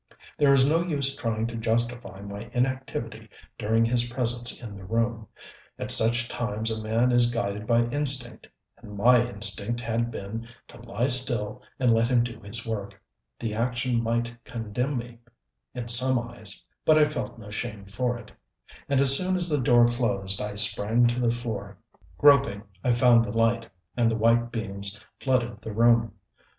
There is no use trying to justify my inactivity during his presence in the room. At such times a man is guided by instinct and my instinct had been to lie still and let him do his work. The action might condemn me in some eyes, but I felt no shame for it. And as soon as the door closed I sprang to the floor. Groping, I found the light, and the white beams flooded the room.